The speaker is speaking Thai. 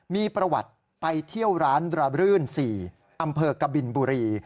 มีประวัติไปเที่ยวร้านระบรื่น๔อำเภอกบินบุรี